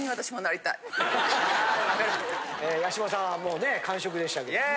八嶋さんはもうね完食でしたけども。